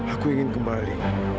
aku ingin kembali